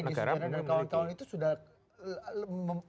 egy sejana dan kawan kawan itu sudah